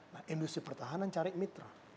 nah industri pertahanan cari mitra